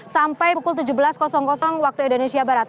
sampai pukul tujuh belas waktu indonesia barat